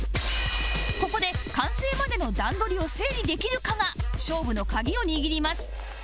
ここで完成までの段取りを整理できるかが勝負のカギを握ります